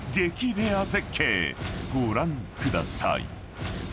レア絶景ご覧ください］